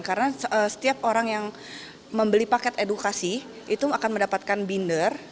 karena setiap orang yang membeli paket edukasi itu akan mendapatkan binder